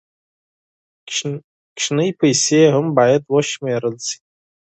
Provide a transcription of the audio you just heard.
کوچنۍ پیسې هم باید وشمېرل شي.